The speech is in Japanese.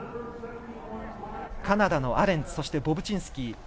カナダのアレンツボブチンスキー。